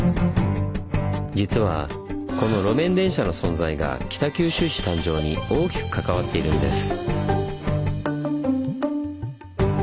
実はこの路面電車の存在が北九州市誕生に大きく関わっているんです。